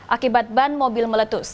akibat ban mobil meletus